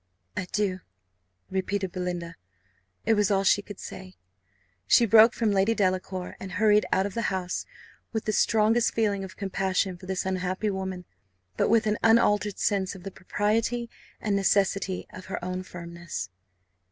"Adieu!" repeated Belinda. It was all she could say; she broke from Lady Delacour, and hurried out of the house with the strongest feeling of compassion for this unhappy woman, but with an unaltered sense of the propriety and necessity of her own firmness.